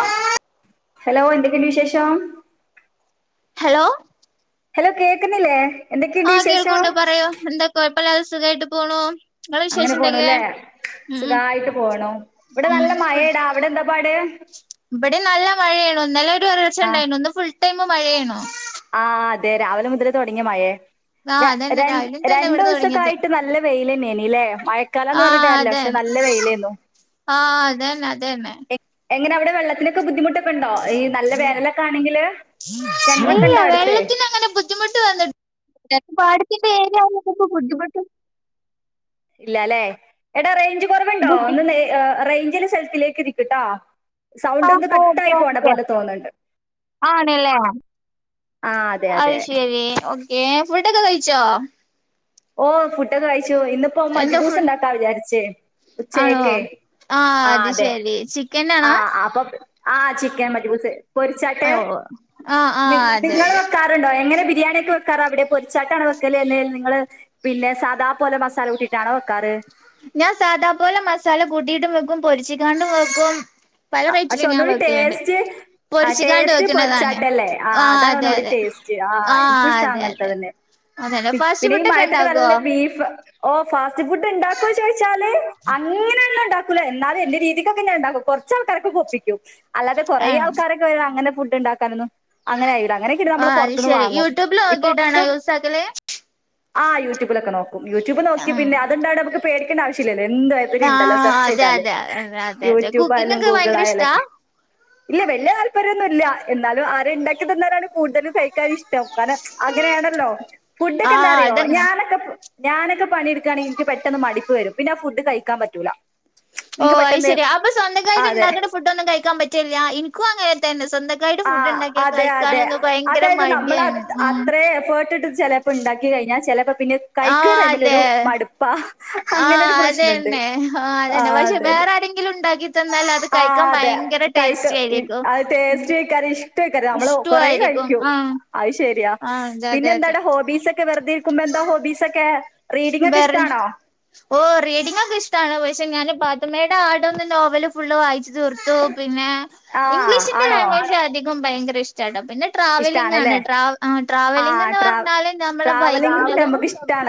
ആഹ [unintelligible] hello എന്തൊക്കെണ്ട് വിശേഷം. Hello. Hello കേക്കുന്നില്ലേ. എന്തൊക്കെയുണ്ട് ആഹ് വിശേഷം കേൾക്കൂണ്ട്‌ പറയൂ എന്താ കൊയ്പ്പല്ലാതെ സുഖയിട്ട് പോണു. നിങ്ങളെ അങ്ങനെ വിശേഷം പോണ് എന്തൊക്കെ ല്ലേ. ഉം ഉം സുഖായിട്ട് പോണു ഇവടെ നല്ല മയേടാ അവിടെന്ത പാട്. ഇബടിം നല്ല മഴേണു ഇന്നലെ ഒരൊലൊർച്ച ഉണ്ടായിനു ഇന്ന് ഫുൾ ടൈമ് മഴയേണു. ആഹ് അതെ രാവിലെ മുതല് തൊട്ങ്ങ്യ മയെ. ആഹ് ര അതന്നെ രൺ രാവിലെയും തന്നെ ഇവിടെ തുടങ്ങിയത് രണ്ടുസൊക്കായ്ട്ട് നല്ല വെയിലെന്നേനി ലേ മഴക്കാലംന്ന് പർഞ്ഞിട്ട് ആഹ് കാര്യല്ല്യ പ അതന്നെ നല്ല വെയിലേന്നു. ആഹ് അതന്നെ അതന്നെ. എങ്ങന അവിടെ വെള്ളത്തിനൊക്കെ ബുദ്ധിമുട്ട്. ക്കെണ്ടോ ഈ നല്ല വേനലൊക്കാണെങ്കില് കിണറൊക്കെണ്ടോ അട്ത്ത്. ദ്ധിമുട്ട് വന്ന്ട്ട് എ പാടത്തിന്റെ ഏരിയാവുമ്പൊ ബുദ്ധിമുട്ട്. ഇല്ലലേ എടാ റേഞ്ച് കൊറവ്ണ്ടോ ബുദ്ധി ഒന്ന് ന്നെ അ റേഞ്ച്ല്ല സൽത്തിലേക്ക് നിക്ക്ട്ടോ. ആഹ് ഓക്കെ ഓക്ക ആണ് ല്ലേ ആഹ് അതെ അതെ അയ്ശെരി ഓക്കെ ഫുട്ടൊക്കെ കഴിച്ചോ. ഓഹ് ഫുഡൊക്കെ കഴിച്ചു ഇന്ന്പ്പൊ എന്താ ഫുഡ് മജ്ബൂസ്ണ്ടാക്കാ വിചാരിച്ച്. ആണോ ഉച്ചക്കെക്കെ ആഹ് അത് അതെ ശെരി ചിക്കനാണോ ആഹ് അപ്പം. ആഹ് ചിക്കൻ മജ്ബൂസ് പൊര്ച്ചാട്ട് ഓ ആഹ് നി ആഹ് അതെ നിങ്ങള് അതെ വെക്കാ രണ്ടോ എങ്ങനെ ബിരിയാണ്യൊക്കെ വെക്കാറവിടെ പൊര്ച്ചാട്ടാണ് വെക്കല് അല്ലേൽ നിങ്ങള്. പിന്നെ സാദാ പോലെ മസാല കൂട്ടിയിട്ടാണോ വെക്കാറ്. ഞാൻ സാധാ പോലെ മസാല കൂട്ടിയിട്ടും വെക്കും പൊരിച്ചിക്കാണ്ടും വെക്കും. പല അ പക്ഷെ റേറ്റിലും ഞാൻ ഒന്നൂടിം വെക്കലുണ്ട് ടേസ്റ്റ്. ആഹ് പൊരിച്ചിക്കാണ്ട് ടേസ്റ്റ് വെക്കുന്നതാണ് പൊര്ച്ചാട്ടല്ലേ ആഹ് അതാണ് അതെ ഒന്നൂടി അതെ ടേസ്റ്റ് ആഹ് എനിക്കു ഇഷ്ട അതെ അതെ അങ്ങൻത്തതെന്നെ. അതന്നെ പി ഫാസ്റ്റ് പിന്നെ ഈ ഫുഡ് ഒക്കെ മയത്തൊക്കെ ഉണ്ടാക്കുവോ നല്ല ബീഫ്. ഓഹ് ഫാസ്റ്റ് ഫുഡ് ഇണ്ടാക്കോ ചോയ്ച്ചാല് അങ്ങനെയൊന്നു ഇണ്ടാക്കൂല എന്നാലും എന്റെ രീതിക്കൊക്കെ ഞാൻ ഇണ്ടാക്കും കൊർ ച്ചാൾക്കാർക്കൊക്കെ ഒപ്പിക്കും അല്ലാതെ കൊറേ ആഹ് ആൾക്കാരൊക്കെ വരാ അങ്ങനെ ഫുഡ്ണ്ടാക്കാനൊന്നും അങ്ങനെ കയിയൂല അങ്ങനെ. ക്കിട് നമ്മള് ആഹ് അത് പൊർത്ത്ന്ന് ശെരി വാങ്ങും യൂട്യൂബിൽ ഇപ്പൊക്ക. നോക്കിട്ടാണോ യൂസ് ആക്കല് ആഹ് യൂട്യൂബിലൊക്കെ നോക്കും യൂടൂബ് നോക്കി ഉം പിന്നെ അത്ണ്ടായോണ്ട് നമുക്ക് പേടിക്കേണ്ട ആവശ്യല്ലല്ലോ എന്ത് ഇതില്ണ്ടല്ലോ ആഹ് അതെ സെർച്ചെയ്താല് അതെ അതെ അതെ അതെ കുക്കിംഗ് യൂട്യൂബായലും ഒക്കെ ഭയങ്കര ഇഷ്ടാ ഗൂഗിളായാലൊക്കെ. ഇല്ല വല്ല്യ താല്പര്യമൊന്നുല്ല എന്നാലും ആരെ ഇണ്ടാക്കി തന്നാലാണ് കൂടുതലും കഴിക്കാൻ ഇഷ് ട്ടേ മുക്കാല അങ്ങനേണല്ലോ ആഹ് ഫുഡൊക്കെന്താറിയോ അതങ്ങനെ ഞാനൊക്കെ ഞാനൊക്കെ പണിട്ക്കാണെ ഇൻക്ക് പെട്ടന്ന് മടുപ്പ് വരും പിന്നാ ഫുഡ് കഴിക്കാൻ പറ്റൂല. ഇൻക്ക് ഓഹ് അയ് പെട്ടെന്ന് ശര്യ അപ്പം ആ സ്വന്തക്കായിട്ട് അതെ ഇണ്ടാക്ക്ണ ഫുഡൊന്നും കഴിക്കാൻ പറ്റില്ല ഇൻക്കു അങ്ങനെ തന്നെ സ്വന്ത ആഹ് അതെ അതെ അതായത് നമ്മളത് മടിയാണ് ഉം അത്രേ എഫേർട്ട്ട്ട് ചെല പ്പ ഇണ്ടാക്കി കയ്ഞ്ഞാ ചെലപ്പ പിന്നെ ആഹ് കയിക്കുന്ന അതെ ടൈമിലൊരു മടുപ്പാ. ആഹ് അങ്ങനൊരു പ്രശ്നണ്ട് അതന്നെ ആഹ് ആ അതന്നെ പക്ഷെ അതന്നെ വേറാരെങ്കിലും ഉണ്ടാക്കി തന്നാൽ അത് കഴിക്കാൻ ഭയങ്കര. കഴിക്ക ടേസ്റ്റി ഇ ആയിരിക്കും അത് ഉം ടേസ്റ്റ് കഴിക്കാന് ഇഷ്ടേകര നമ്മള് ഇഷ്ടു കൊറേ ആയിരിക്കും കഴിക്കും. ആഹ് അത് ശര്യാ ആഹ് അതെ അതെ അതെ പിന്നെന്താടാ ഹോബീസൊക്കെ വെറുതെ ഇരിക്കുമ്പന്താ ഹോബീസൊക്കെ. റീഡിംഗൊക്കെ വെർ ഇഷ്ടാണോ? ഓഹ് റീഡിംങ് ഒക്കെ ഇഷ്ടണ് പക്ഷെ ഞാന് പാത്തുമയുടെ ആട് എന്ന നോവല് ഫുള്ള് വായിച്ചു തീർത്തു പിന്നെ ആഹ് ഇംഗ്ലീഷിന്റെ ആണോ? ലാംഗ്വേജ് അധികം ഭയങ്കര ഇഷ്ട ട്ടോ പിന്നെ ട്രാവലിംഗ് ആണ് ഇഷ്ടാണ്ല്ലേ? ട്രാ ആഹ് ട്രാവലിംഗ് ആഹ് എന്ന് ട്രാ പറഞ്ഞാല് നമ്മള് ബൈക്കി ട്രാവലിംഗ് പിന്നെ നമ്മുക്കി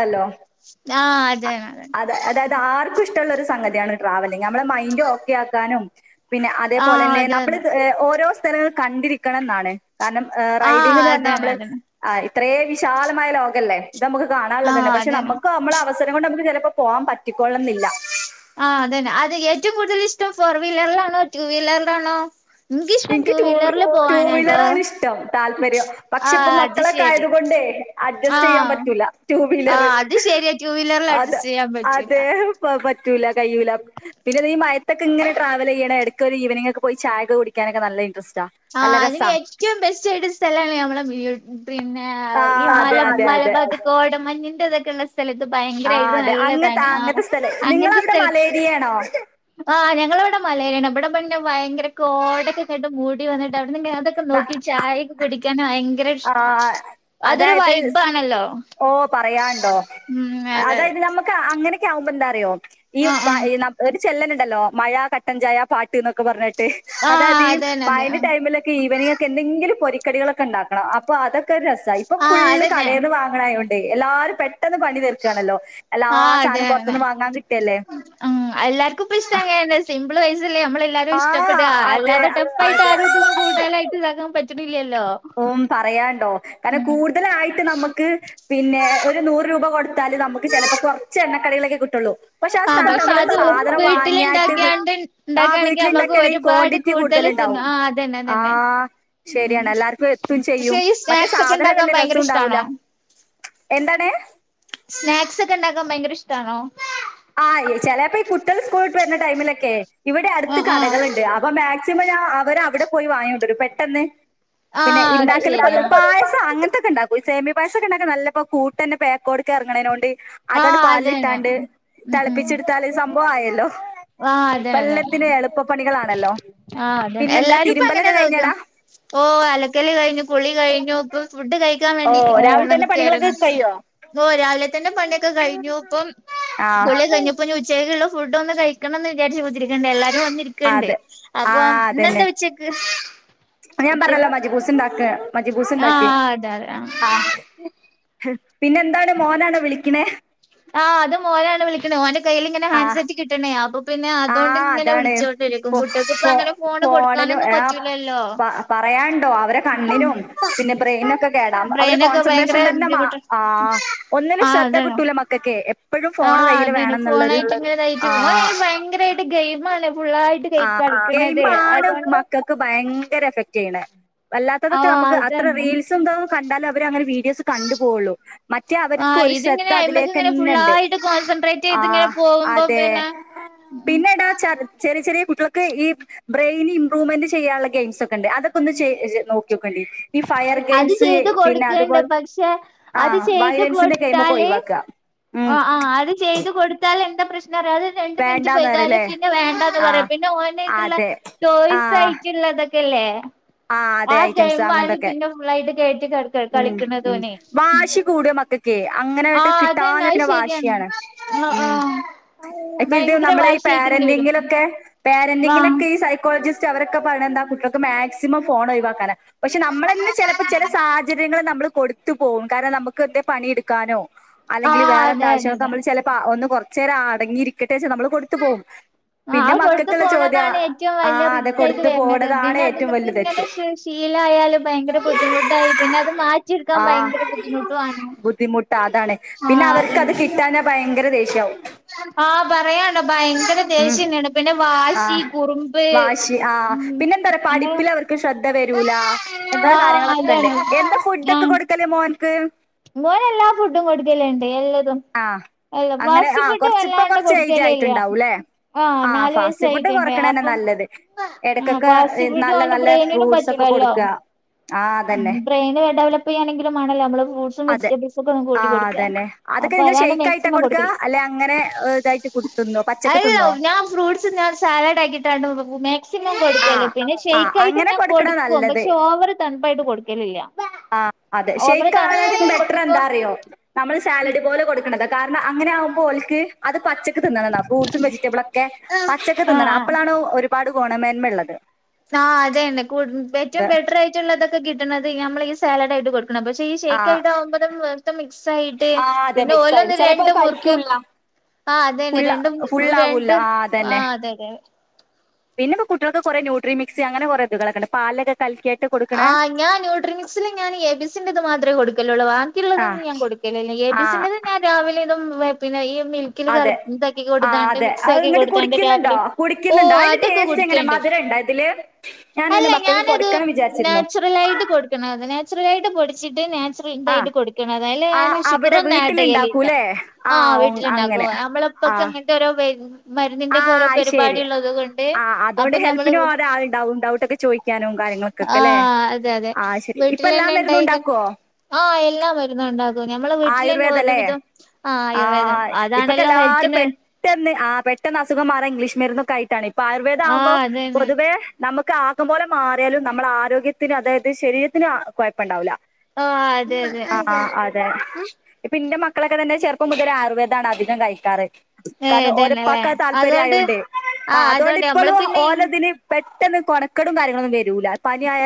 ആഹ് അതെന്നെ അതെന്നെ അതെ അതായത് ആർക്കും ഇഷ്ടഉള്ള ഒരു സംഗതിയാണ് ട്രാവലിങ് നമ്മളെ മൈൻഡ് ഓക്കെ ആക്കാനും പിന്നെ അതേപോലെ തന്നെ നമ്മള് അതന്നെ ഏഹ് ഓരോ സ്ഥലങ്ങൾ കണ്ടിരിക്കണന്നാണ് കാരണം ഏഹ് റൈഡിംഗ് ആഹ് എന്ന് പറഞ്ഞാ അതെ നമ്മള് അതെ ആഹ് ഇത്രേ വിശാലമായ ലോകല്ലേ ഇത് നമുക്ക് ആഹ് അതന്നെ അതന്നെ ആഹ് കാണാനുള്ളതന്നെ പക്ഷെ അതന്നെ നമുക്ക് നമ്മളെ അവസരം കൊണ്ട് നമുക്ക് ചിലപ്പോ പോവാൻ പറ്റിക്കൊള്ളണംന്നില്ല ആഹ് അതന്നെ അത് ഏറ്റോം കൂടുതൽ ഇഷ്ടം ഫോർ വീലറിലാണോ റ്റു വീലറിലാണോ എനിക്കിഷ്ടം എനിക്ക് ടു വീലറിൽ റ്റു വി പോവാനാട്ടോ വീലറ് ആണ് ഇഷ്ടം താല്പര്യം പക്ഷെ ആഹ് ഇപ്പം അത് മക്കളൊക്കെ ആയത് ശരി കൊണ്ടേ അഡ്ജസ്റ്റ് ചെയ്യാൻ ആഹ് പറ്റൂല റ്റു വീലറ് ആഹ് അത് ശരിയാ ടു വീലറിൽ അത അഡ്ജസ്റ്റ് ചെയ്യാൻ അതെ പറ്റൂല പ പറ്റൂല്ല കഴിയൂല്ല പിന്നെ ഈ മയെത്തൊക്കെ ഇങ്ങനെ ട്രാവൽ ചെയ്യണം എടക്കൊക്കെ ഒരു ഈവനിംഗ് ഒക്കെ പോയി ചായൊക്കെ കുടി ക്കാനൊക്ക നല്ല ഇൻട്രസ്റ്റാ ആഹ് അതിന് ഏറ്റവും ബെസ്റ്റ് ആയിട്ട് സ്ഥലാണ് നമ്മളെ വീ പിന്നെ ഈ ആഹ് മല അതെ അതെ മല അതെ ഭാഗത്ത് കോടമഞ്ഞിന്റെ ഇതൊക്കെ ഉള്ള സ്ഥലത്ത് ആഹ് ഭയങ്കരയിട്ട് അതെ നല്ലതാണ് ആഹ് അങ്ങനത്തെ സ്ഥല ഫ്രീയാണോ ആഹ് ഞങ്ങളിവിടെ മലയാണ് ഇവിടെ പിന്നെ ഭയങ്കര കോടക്കെ ഇട്ട് മൂടി വന്നിട്ട് അവിടുന്ന് ഇങ്ങനെ അതോക്കെ നോക്കി ചായൊക്കെ കുടിക്കൻ ഭയങ്കര ഇഷ്ട ആഹ് അതൊരു വൈബ് ആണല്ലോ ഓഹ് പറയാണ്ടോ അതെ അതായത് നമ്മുക്ക് അങ്ങനെ ആവുമ്പോ എന്താറിയോ ഈ ആഹ് പ ആഹ് ഈ നമ്മ ഒരു ചെല്ലനുണ്ടല്ലോ മഴ കട്ടഞ്ചായ പാട്ട് എന്നൊക്കെ പറ ഞ്ഞിട്ട് അതായത് ആഹ് ഈ അതന്നെ അതെ മഴേൻ്റെ ആഹ് ടൈമില് ഈവനിംഗ് ഒക്കെ എന്തെങ്കിലും പൊരിക്കടികളൊക്കെ ഇണ്ടാക്കണം അപ്പൊ അതൊക്കെ ഒരു രസയി ഇപ്പൊ ആഹ് ഫുളള് അതന്നെ കടേന്ന് വാ ങ്ങണയോണ്ടേ എല്ലാരും പെ ട്ടെന്ന് പണി തീർക്കണല്ലോ എല്ലാ ആഹ് സാനോം അതന്നെ പൊറത്തൂന്ന് വാങ്ങാൻ കിട്ട്ല്ലേ ഉം എല്ലാർക്കും ഇപ്പ ഇഷ്ടം ആഹ് അങ്ങനെന്നെ സിമ്പിൾ വയസ്സല്ല നമ്മളെല്ലാരും ഇഷ്ട്ടപ്പെട്ട് അതെ അല്ലാത്ത ടഫ് ആയിട്ട് ആരും ഇതും അതെ കൂടുതലായിട്ട് ഇതകാൻ പ റ്റണില്ലല്ലോ ഉം പറയാണ്ടോ കാരണം കൂടുതലായിട്ട് നമ്മുക്ക് പിന്നെ ഒരു നൂറ് രൂപ കൊടുത്താല് നമുക്ക് ചിലപ്പോ കുറച്ച് എണ്ണക്കടികളൊക്കെ കിട്ടുള്ളൂ പക്ഷെ ആ ആഹ് സ്ഥാനത്ത് നമ്മള് അത് സാധനം വാങ്ങിയാട്ട്ത് വീട്ടിലിണ്ടാക്കിയാണ്ട് ആഹ് ഇണ്ടാക്കാണെങ്കി വീട്ടിൽ നമ്മക്ക് ഇണ്ടാക്കണെങ്കി ഒരുപാട് ക്വാണ്ടി റ്റി കൂടുതൽ കൂടുതല് തിന്നാ ഇണ്ടാവും ആഹ് അതന്നെ ആ അതന്നെ ഉം ശരിയണ് എല്ലർക്കും എത്തും പക്ഷെ ചെയ്യും ഈ മറ്റേ സ്നാക്സ് ഒക്കെ സാധനം ഇണ്ടാക്കാൻ വെല്യ രസ ഭയങ്കര ഉണ്ടാവൂല ഇഷ്ടാണോ എന്താണ് സ്നാക്സ് ഒക്കെ ഉണ്ടാക്കാൻ ഭയങ്കര ഇഷ്ടണോ ആ ചിലപ്പോ ഈ കുട്ടിൾ സ്കൂളിട്ട് വരുന്ന ടൈമിലൊക്കെ ഇവിടെ അടുത്ത് ആഹ് ആഹ് കടകളുണ്ട് അപ്പൊ മാക് സിമം ഞാ അവര് അവിടെ പോയി വാങ്ങൊണ്ട് വരും പെട്ടെന്ന് പിന്നെ ആഹ് അത് ഇണ്ടാക്കൽ ശരിയാ പൊതുവ് പായസം അങ്ങനത്തൊക്കെ ഇണ്ടാ സേമിയ പായിസൊക്കെ ഇണ്ടാക്കൻ നല്ലപ്പോ കൂട്ടന്നെ പേക്കോടുക്ക എറങ്ങണേനോണ്ട് ആഹ് അതണ്ട് അതന്നെ പാലിട്ടാണ്ട് ഉം ഉം തിളപ്പിച്ചെടുത്താലെ സംഭ ആയല്ലോ ആഹ് അതെ ഇപ്പ അതെ എല്ലാത്തിനും എളുപ്പപ്പണികളാണല്ലോ ആഹ് അതന്നെ പിന്നെന്താ എല്ലാരും ഇപ്പ അങ്ങന തിരുമ്പലൊക്കെ നോക്ക കഴിഞ്ഞടാ ഓഹ് അലക്കല് കഴിഞ്ഞു കുളി കഴിഞ്ഞു ഇപ്പൊ ഫുഡ് കഴിക്കാൻ ഓ വേണ്ടിട്ട് രാവിലെ [unintelligible] തന്നെ നിക്കായിരുന്നു പണികളൊക്കെ കഴിയോ ഓഹ് രാവിലെ തന്നെ പണിയൊക്കെ കഴിഞ്ഞു ഇപ്പം ആ കുളി കഴിഞ്ഞപ്പോ ഇനി ഉച്ചക്കുള്ള ഫുഡ് ഒന്ന് കഴി ക്കണംന്ന് വിചാരിച്ച് കുത്തിരിക്കണ്ട് എല്ലാരും വന്നിരിക്കണ്ട് അതെ ആ അപ്പൊ ഇന്നെന്താ ഉച്ചേക്ക് ആഹ് ഞാൻ പറഞ്ഞല്ലോ മജിബൂസ് ഇണ്ടാക്ക മജിബൂസ്ണ്ടാക്കി ആഹ് അതെ അതെ ആഹ് പിന്നെ എന്താണ് മോനാണോ വിളിക്കണേ ആഹ് അത് മോനാണ് വിളിക്കണേ ഓന്റെ കയ്ൽ ഇങ്ങനെ ഹാൻ ആഹ് സെറ്റ് കിട്ടണേ അപ്പൊ പിന്നെ അതോണ്ട് ആഹ് ഇങ്ങനെ അതാണ് ഫോ വിളിച്ചോണ്ടിരിക്കും. കുട്ട്യേൾക്ക് ഇപ്പ ഫോ അങ്ങനെ ഫോണ് കൊടുക്കാനൊന്നും പറ്റൂല്ലല്ലോ. പറയാൻണ്ടൊ. അവരെ കണ്ണിനും പിന്നെ ബ്രെയിനൊക്കെ കേടാം. അവരെ ബ്രെയിനൊക്കെ ഭയങ്കര കോൺസെൻട്രേഷൻ തന്നെ മാ ബുദ്ധിമുട്ട് ആ ഒന്നിനും ആഹ് ശ്രദ്ധ അതന്നെ കിട്ടൂല മക്കക്കെ. ആഹ് അതന്നെ. ഫോണായിട്ട് ഇങ്ങെ തായി. ആഹ് ഓനയ്ന് ഭയങ്കരായിട്ട് ഗെയിം ആണ്. ഫുള്ളായിട്ട് കൈ ആഹ് കളിക്ക്ണതെ. ഗെയിമാണ് അതോണ്ട്. മക്കൾക്ക് ഭയങ്കര എഫെക്ട് ചെയ്യ്ണ. വല്ലാത്തതൊക്കെ ആഹ് നമുക്ക് അത്ര അതന്നെ റീൽസ് എന്താ കണ്ടാല അവര് അങ്ങനെ വീഡിയോസ് കണ്ടുപോവൊള്ളു. മറ്റേ അവർക്കു ആഹ് ഒരു ശ്രദ്ധ ഇതിങ്ങനെ അയ്മക്ക് ഇങ്ങനെ അതിലേക്കെന്നെണ്ട്. ഫുള്ളായിട്ട് കോൺസെൻട്രേറ്റ് ആ ചെയ്ത് ഇങ്ങനെ പോകുമ്പോ അതെ പിന്നെ ഉം പിന്നെ എടാ ചർ ചെറിയ ചെറിയ കുട്ട്യേൾക്ക് ഈ. ബ്രെയിൻ ഇമ്പ്രൂമെന്റ് ചെയ്യാൻള്ള ഗെയിംസ് ഒക്കെ ഇണ്ട്. അതൊക്കെ ഒന്ന് ച നോക്ക്യാേക്കെണ്ടി. ഈ ഫയർ അത് ഗെയിംസ്. ചെയ്ത് പിന്നെ കൊടുക്കണ്ട് അതുപോലെ പക്ഷെ ആ അത് വയലൻസിന്റെ ഗെയിമൊക്കെ ഒഴിവാക്ക. ആ ആഹ്. അത് ചെയ്ത് കൊടുത്താൽ എന്താ പ്രശ്നം അറ്യാെ. അത് രണ്ട് മിനിറ്റ് വേണ്ടാന്ന് വൈക്യാലും പറയല്ലേ പിന്നെ വേണ്ടാന്ന് ആഹ് പറയും. പിന്നെ ഓനായിട്ട്ള്ള അതെ ടോയ്സ് ആയിട്ടുള്ളതൊക് ക്കല്ലെ. ആ അതെ ഐറ്റംസ് അങ്ങൻത്തൊക്കെ. ഫുള്ളായിട്ട് കേറ്റി ക ഉം ഉം കളിക്കണതോനെ വാശി കൂട മക്കക്കെ. അങ്ങനെ ആട്ട് ആഹ് അതന്നെ കിട്ടാഞ്ഞാ അത് പിന്നെ ശരിയാണ് വാശ്യാണ്. ആഹ് ഉം. ആഹ് ഇപ്പൊ ഇത് ഭയങ്കര നമ്മളെ ഈ വാശിയായിട്ട് ഇങ്ങനെ വരും പാരന്റിങ്ങിലൊക്കെ. ആഹ് പാരരന്റിങ്ങിലൊക്കെ ഈ സൈക്കോളജിസ്റ്റ് അവരൊക്കെ പറി ണെന്താ. കുട്ട്യേൾക്ക് മാക്സിമം ഫോൺ ഒഴിവാക്കാനാണ്. പക്ഷെ നമ്മളെന്നെ ചെലപ്പം ചെല സാഹചര്യങ്ങള് നമ്മള് കൊടു എത്ത് പോവും. കാരണം നമുക്ക് എന്താ പണി ഇടുക്കാനോ, അല്ലെങ്കില് ആഹ് അതെ വേറെന്താവശ്യക്കെ അതന്നെ നമ്മൾ ചെ ഒന്ന് കൊറ്ച്ചേരം അടങ്ങിയിരിക്കട്ടെ വച്ച് നമ്മള് കൊടുത്തു പോകും. ആ പിന്നെ അത് കൊടുത്തു മക്കൾക്കുള്ള ചോദ്യാ പോന്നതാണ്. ഏറ്റവും ആ വലിയ അതെ റിസ്ക് ആയിട്ട് കൊടുത്തു വര്ണത്. പോണതാണ് പിന്നെ അത് ഏറ്റവും മക്ക്. വലിയ ഇങ്ങെനെ തെറ്റ് ശീലയാലും ഭയങ്കര ബുദ്ധിമുട്ടായി. പിന്നെ അത് മാറ്റി ഇടുക്കാൻ ഭയങ്കര ബുദ്ധിമുട്ട്വാണ്. ബുദ്ധിമുട്ട് അതാണ്. പിന്നെ അവർക്ക്ത് കിട്ടാഞ്ഞാ ഭയങ്കര ദേഷ്യാവും. ആഹ് പറയാണ്ടൊ. ഭയങ്കര ഉം ദേശ്യന്നേണ്. പിന്നെ വാശി, കുറുമ്പ് ആ. ഉം പിന്നെ എന്താ അറ്യാെ അങ്ങനെ പഠിപ്പി ശ്രദ്ധ വരൂല. ഇങ്ങനെ ആഹ് കാര്യങ്ങളൊക്കെ ഇണ്ട്. അതാണ് എന്താ ഫുഡ്ഡൊക്കെ കൊടുക്കല് മോൻക്ക്. മോനെ എല്ലാ ഫുഡും കൊടുക്കല്ണ്ട്. എല്ലതും. ആഹ് അല്ല. അങ്ങനെ ഫാസ്റ്റ് ആഹ് ഫുഡ് കൊറച്ച് ഇപ്പൊ വല്ലാണ്ട് കൊറച്ച് ഏജ് കൊടുക്കല് ഇല്ല. ആയിട്ടുണ്ടാവൂല്ലേ ആഹ് നാല് ഫാസ്റ്റ് ഫുഡ് വയസായിട്ടുണ്ട്. കൊറക്കണന്നെ അപ്പം നല്ലത് എടക്കൊക്കെ ഫാസ്റ്റ് ഫുഡ്‌ നല്ല ഓന്റ നല്ല [unintelligible] ഫ്രൂട്ട്സ് ഒക്കെ പറ്റൂലല്ലൊ. കൊടുക്കുക ആഹ് അതന്നെ ബ്രെയ്ന് ഡെവലപ്പ് ചെയാണെങ്കിലും മാണല്ലൊ ഞമ്മ അതെ. ആ അത തന്നെ അതൊക്കെ അപ്പൊ എങ്ങനെ അതാണ് ഷെയ്ക്ക് ആയിട്ട മാക്സിമം കൊടുക്ക. കൊടുക്കല് അല്ലെ അങ്ങനെ ഇതായിട്ട്. കുടി തിന്നോ. പച്ചക്ക് അല്ല തിന്നോ. ഞാൻ ഫ്രൂട്സ് തിന്നാണ്ട് സാലഡ് ഇണ്ടാക്കീട്ടാണ്ട് [unintelligible] മാക്സിമം ആ കൊടുക്കല്ല്. പിന്നെ ആ ഷെയ്ക്കായിട്ട് അങ്ങനെ ഞാൻ കൊടുക്കണ കൊടുക്കും. നല്ലത് പക്ഷെ ഓവറ് തൺപായിട്ട് കൊടുക്കലില്ല. ആ അതെ ഓവർ ഷെയ്ക്കാ തണുത്ത എന്തെങ്കിലും ബെറ്റർ എന്താ കൊടുക്കുമ്പോ അറ്യാെ. നമ്മൾ സാലഡ് പോലെ കൊടുക്ക്ണത. കാരണം അങ്ങനെ ആവുമ്പോ ഓല്ക്ക് അത് പച്ച ക്ക് തിന്നണംന്നാ. ഫ്രൂട്ട്സും വെജിറ്റബിളൊക്കെ ആഹ് പച്ചക്ക് തിന്നണ ആഹ് അപ്പളാണ് ഒരുപാട് ഗുണമേന്മ ഇള്ളത് ആഹ് അതെന്നെ. കുടു ഏറ്റവും ബെറ്റർ ആയിട്ടുള്ളതൊക്കെ കിട്ട്ണത് നമ്മൾ ഈ സാലാഡ് ആയിട്ട് കൊ പക്ഷേ ആ ഷെയ്ക്കായിട്ട് ആകുമ്പോതും മിസ്സായി ഇട്ട് ആ അതെ പിന്നെ മിക്സ് ആയിട്ട് ഓലൊന്ന് ചിലപ്പോ രണ്ട് അത് മുറുക്ക്. കഴിക്കൂല ആ അതെന്നെ. ഫുള്ള രണ്ടും ഫുള്ളാവൂല രണ്ട് ആ അതന്നെ അതെ അതെ. പിന്നെ ഇപ്പം കുട്ട്യേൾക്ക് കൊറെ ന്യുട്രിമിക്സ്. അങ്ങനെ കൊറെ ഇതുകളൊക്കെണ്ട് പാല്ക കൽക്ക്യാട്ട് കൊടു ആഹ് ഞാൻ ന്യൂട്രി ൻസില് ഞാൻ എ ബിസിന്റെത് മാത്രേ കൊടുക്കല്ലുള്ളൂ വാ ആ ക്കിയുള്ളതൊന്നും ഞാൻ കൊടുക്കലില്ല എ ആ ബിസിന്റെത് ഞാൻ രാവിലെ ഇതും പിന്നെ ഈ മിൽ അതെ ആഹ് അതെ അത് ന്നിട്ട് കൊടുത്താണ്ട് കുടിക്കുന്നുണ്ടോ രാവിലെ കുടിക്ക്ന്ന്ണ്ടോ ഓഹ് അയിന്റെ അതൊക്കെ ടേസ്റ്റ് എങ്ങനെ കുടിക്കണ്ട് മധുര ണ്ടാ ഇതില് ഞാനെന്റെ അല്ല മക്കക്ക് ഞാനത് കൊടുക്കണം വിചാരിച്ചിരുന്നു നാച്ചുറലായിട്ട് കൊടുക്കണം അത് നാച്ചുറലായിട്ട് പൊടിച്ചിട്ട് നാച്ചു ആ. ഇതായിട്ട് കൊടുക്കണം അയില് ആ ഞാന് അവിടെ ഷുഗറൊന്നും ആഡ് ചെയ്യലില്ല വീട്ടിലുണ്ടാക്കൂല്ലേ? ആ ആഹ് ഒ വീട്ടിലുണ്ടാക്കും അങ്ങനെ. അമ്മള് ഇപ്പൊക്കെ ഇങ്ങനത്തെ ഓരോ വര് ആഹ് അത് ശരി ആഹ് അപ്പൊ അതുകൊണ്ട് ഞമ്മള് ഹെൽപ്പിനും ഒരാൾ ഉണ്ടാവും ഡൗട്ടൊക്കെ ചോയിക്കാനും കാര്യങ്ങളൊ ആഹ് അതെ അതെ വീട്ടിൽ എല്ലാ തന്നെ മരുന്നും ഇണ്ടായിക്ക ഉണ്ടാക്കോ? ആഹ് എല്ലാം മ രുന്നുണ്ടാ- ക്കും നമ്മളെ വീട്ടിലന്നെ ഒരു ആയുർവേദല്ലേ? വിധം ആഹ് ആയുർവേദം ആഹ് ഇപ്പൊക്കെ അതാണല്ലോ എല്ലാരും ഹെൽത്തിന്- പെട്ടെന്ന് ആഹ് പെട്ടെന്ന് അസുഖം മാറാൻ ഇംഗ്ലീഷ് മരുന്നൊക്കെ ആയിട്ടാണ് ഇപ്പ ആയുർവേദ ആവുമ്പോ ആഹ് അതന്നെ പൊതുവേ- നമുക്ക് ആക്കം പോലെ മാറിയാലും നമ്മളെ ആരോഗ്യത്തിന് അതായത് ശരീരത്തിന് കൊഴപ്പണ്ടാവൂല്ല ആഹ് അതെ അതെ ഇപ്പ ഇന്റെ മക്കളൊക്കെ തന്നെ ചെ ർപ്പം മുതലെ ആയുർവേദാണ് അധികം കഴിക്കാറ് ഏ കാരണം ഇതന്നെല്ലേ ഓരപ്പാക്ക് ആ താല്പര്യ അതുകൊണ്ട് ആയോണ്ടേ ആ ആഹ് അതോണ്ട് അതുകൊണ്ട് നമ്മള് ഇപ്പളും പിന്നെ ഓലതില് പെട്ടെന്ന് കൊണക്കെടും കാര്യങ്ങളൊന്നും വരി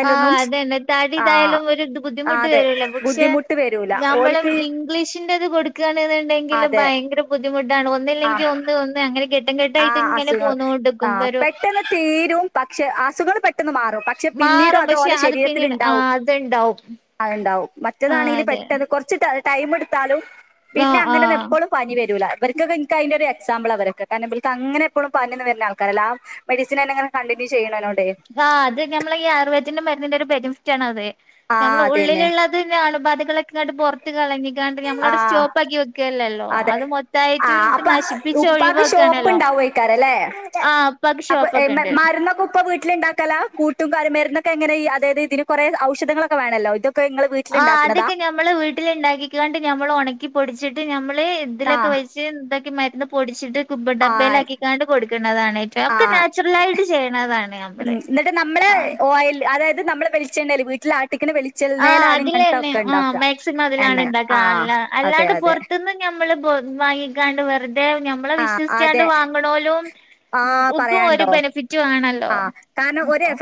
ആഹ് അതെന്നെ തടി ആഹ് ഇതായാലും ഒരു ആഹ് ബുദ്ധിമുട്ട് അതെ വരില്ല പക്ഷെ- ബുദ്ധിമുട്ട് വരൂല നമ്മള് ഓൽക്ക് ഇംഗ്ലീഷിന്റേത് കൊടുക്കാ ണെന്നുണ്ടെങ്കില് അതെ ഭയങ്കര ബുദ്ധിമുട്ടാണ് ആഹ് ഒന്നില്ലെങ്കി ഒന്ന് ഒന്ന് അങ്ങനെ ഘ ട്ടം ആ ഘട്ടായിട്ട് ഇങ്ങനെ അസുഖങ്ങൾ പോന്നോ ആ ണ്ടിക്കും വരും പെട്ടെന്ന് തീരും പക്ഷെ അസുഖങ്ങള് പെട്ടെന്ന് മാറും പക്ഷെ പിന്നീടും മാറും അത് പക്ഷെ ഓലെ പിന്നീട് ആ ശരീരത്തിലിണ്ടാവും അത്ണ്ടാവും അഹ്ണ്ടാവും ആ മറ്റെതാണെങ്കിൽ അതെ പെട്ടെന്ന് കൊറച്ച് ടാ ടൈം എടുത്താലും ആ പിന്നെ അങ്ങനെന്ന ആ എപ്പോളും പനി വരൂല ഇവർക്കൊക്കെ ഇൻക്ക് അയിനൊരു എക്സാമ്പിള വരൊക്കെ കാരണം ഇവൽക്ക് അങ്ങനെ എപ്പോളും പനി ഒന്നും വരുന്ന ആൾക്കാരല്ല ആഹ് മെഡ്സിൻ തന്നങ്ങനെ കണ്ടിന്യൂ ചെയ്യണനോടെ ആഹ് അത് നമ്മളെ ഈ ആയുർവേദത്തിന്റെ മരുന്നിന്റെ ഒരു ബെനിഫിറ്റാണ് അത് ആ നമ്മള് അതന്നെ ഉള്ളിലുള്ള ത് പിന്നെ അണുബാധകളൊക്കെ ഇങ്ങട്ട് പൊറത്ത് കളഞ്ഞി ക്കാണ്ട് ആ നമ്മളവിടെ സ്റ്റോപ്പാക്കി വെക്കേല്ലല്ലോ അതെ. അത് മൊത്തായിട്ട് ആഹ് നശിപ്പിച്ച് ഒഴിവാക്കാണല്ലോ ക്കാരല്ലെ ആഹ് ഉപ്പാക്ക് അപ്പൊ ഷോപ്പൊക്കെ ഇണ്ട് മരുന്നൊക്കെ ഉപ്പ വീട്ടില്ണ്ടാ ക്കല കൂട്ട് കാര്യം മരുന്നൊക്കെ എങ്ങനെ അതായത് ഇതിന് കൊ റേ ഔധങ്ങളൊക്കെ വേണല്ലോ ഇതൊക്കെ ഇങ്ങള് ആഹ് വീട്ടില്ണ്ടാക്ക്ണതാ? അതൊക്കെ ഞമ്മള് വീട്ടില് ഇണ്ടാക്കിക്കാണ്ട് ഞമ്മള് ഉണക്കി പൊടിച്ചിട്ട് ഞമ്മള് ഇതിലൊക്കെ ആഹ് വെ ച്ച് ഇതാക്കി മരുന്ന് പൊടിച്ചിട്ട് കുബ് ആഹ് ഡബ്ബേലാക്കിക്കാണ്ട് കൊടുക്കുന്നതാണ് ഇതൊക്കെ ആഹ് നാച്ചുറലായിട്ട് ചെയ്യ്ണതാണ് ഉം ന്നിട്ട് നമ്മളെ ഓയൽ അതായത് നമ്മളെ വെളിച്ചെണ്ണേല് വീട്ടിൽ ആട്ടിക്കണ വെളി ആഹ് അതിലന്നെ ആഹ് മാക്സിമം എണ്ണ. അതിലാണ് ണ്ടാക്ക ആഹ് അല്ല അതെ അല്ലാണ്ട് അതെ. പൊറത്ത്ന്ന്- ഞമ്മള് വാങ്ങിക്കാണ്ട് വെറുതെ ഞമ്മളെ ആഹ് വിശ്വസിച്ചാണ്ട് അതെ. വാങ്ങണോലും- ഉം ആഹ് ഉക്കും ഒരു പറയാണ്ടോ? ബെനിഫിറ്റ് വേണല്ലോ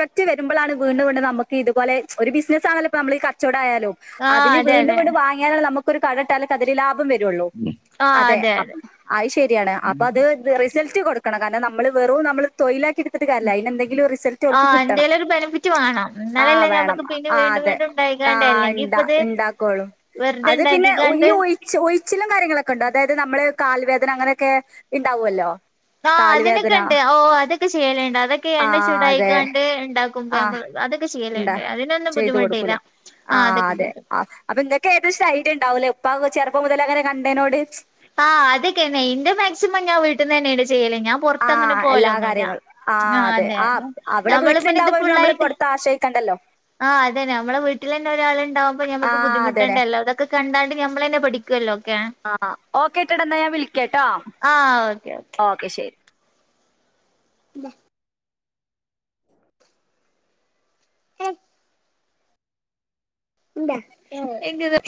റ്റ് വരുമ്പളാണ് വീണ്ടും വീണ്ടും നമ്മക്ക് ഇതുപോലെ ഒരു ബിസിനസ് ആണല്ലോ ഇപ്പ നമ്മള് ഈ കച്ചോടായാലും ആഹ് അതില് അതെ വീണ്ടും അതെ വീണ്ടും വാങ്ങിയാണാല് നമ്മക്കൊരു കട ഇട്ടാല് ഒക്കെ അതില് ലാഭം വ- രുള്ളു അതെ അഹ് ശരിയാണ് അപ്പൊ അത് റിസൾട്ട് കൊടു കാരണം നമ്മള് വെറും നമ്മള് തൊഴിലാക്കി എടുത്തിട്ട് കാര്യല്ല അയിനെന്തെങ്കിലും റിസൾട്ട് ഓൾ ക്ക് ആഹ് കിട്ടണം എന്തേലും ഒരു ബെനിഫിറ്റ് വേണം ആഹ് എന്നാലല്ലേ വേണം ഞമ്മക്ക് പിന്നെ ആഹ് വീണ്ടും അതെ വീണ്ടും ഇണ്ടായിക്കാണ്ട് ആഹ് അല്ലെങ്കി ഇണ്ട ഇപ്പത് ഇണ്ടാക്കോളൂ വെറുതെ അത് പിന്നെ ഇണ്ടാക്കിക്കാണ്ട് [unintelligible] ഉഴിച്ചിലും കാര്യങ്ങളൊക്കെ ഉണ്ടാ അതായത് നമ്മള് കാല് വേദന അങ്ങനേക്കെ ഇണ്ടാവുവല്ലൊ ആഹ് അതിനൊക്കെ ഉണ്ട് ഓഹ് അതൊക്കെ ചെയ്യലുണ്ട് അതൊക്കെ എണ്ണ ആഹ് അതെ ചൂടായിക്കാണ്ട് ഉണ്ടാ നമ്മൾ ആഹ് അതൊക്കെ ഇണ്ട ചെയ്യലുണ്ട് അതിനൊന്നും ചെയ്ത് ബുദ്ധിമുട്ടില്ല കൊടുക്കൂലേ ആ ആഹ് അതെ അതൊക്ക ആഹ് അപ്പൊ ഇതൊക്ക ഏകദേശം ഐഡിയ ഉണ്ടാവല്ലോപ്പൊ ചെറപ്പം മുതൽ അങ്ങനെ കണ്ടതിനോട് ആഹ് അതൊക്കെനെ എന്റെ മാക്സിമം ഞാൻ വീട്ടന്ന് തന്നെയാണ് ചെയ്യലെ ഞാന് പുറത്തങ്ങനെ ആഹ് എല്ലാ പോവലോന്നുമില്ല കാര്യങ്ങളും ആ ആഹ് അതെ ആഹ് അതെ അവിടെ നമ്മളിത് പിന്നെ ഇത് വീട്ടിലുണ്ടാവുമ്പോ നമ്മള് ഫുള്ളായിട്ട് പുറത്ത് ആശ്രയിക്കണ്ടല്ലോ ആഹ് അതെ നമ്മളെ വീട്ടിൽ തന്നെ ഒരാൾ ഉണ്ടാവുമ്പോ ഞമ്മക്ക് ആഹ് അതന്നെ ബുദ്ധിമുട്ടണ്ടല്ലോ ഇതൊക്കെ കണ്ടാണ്ട് ഞമ്മളെന്നെ പഠിക്കുമല്ലോ ഒക്കെ ആഹ് ഓക്കേ ട്ടെടാ എന്നാ ഞാൻ വിളിക്കാം ട്ടോ ആഹ് ഓക്കെ ഓക്കെ ഓക്കെ ശെരി ആഹ് എന്താ ഉന്ത എ [unintelligible]